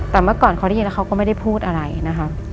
แต่เมื่อก่อนเขาได้ยินแล้วเขาก็ไม่ได้พูดอะไรนะคะ